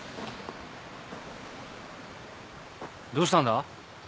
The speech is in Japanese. どうしたんだ？